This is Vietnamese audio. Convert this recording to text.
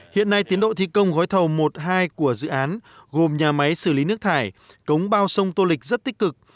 hiện nay tiến độ thi công gói thầu một hai của dự án gồm nhà máy xử lý nước thải cống bao sông tô lịch rất tích cực